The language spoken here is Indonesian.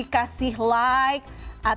kasi like atau view minimal di instastory ya